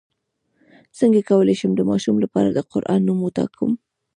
څنګه کولی شم د ماشوم لپاره د قران نوم وټاکم